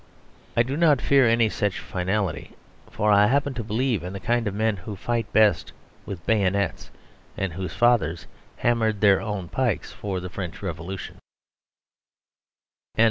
I do not fear any such finality, for I happen to believe in the kind of men who fight best with bayonets and whose fathers hammered their own pikes for the French Revolution.